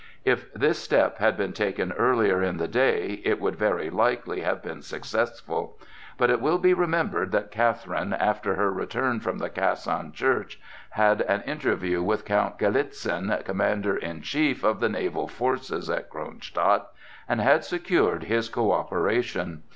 If this step had been taken earlier in the day, it would very likely have been successful. But it will be remembered that Catherine, after her return from the Casan church, had an interview with Count Galitzin, commander in chief of the naval forces at Kronstadt, and had secured his coöperation.